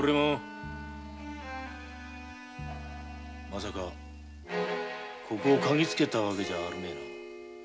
まさかここをかぎつけた訳じゃあるめぇな？